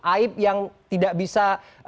aib yang tidak bisa